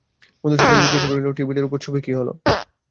মধুসূদন জিজ্ঞাসা করলে, টেবিলের উপর ছবি ছিল, কী হল?